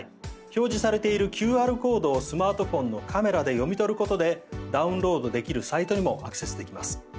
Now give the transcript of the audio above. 表示されているＱＲコードをスマートフォンのカメラで読み取ることでダウンロードできるサイトにもアクセスできます。